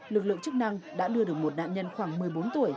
lực lượng chức năng đã đưa được một nạn nhân khoảng một mươi bốn tuổi